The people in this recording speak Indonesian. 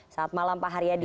selamat malam pak haryadi